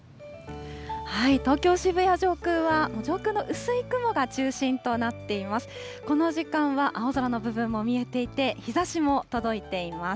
東京・渋谷上空は、上空の薄い雲が中心となっています。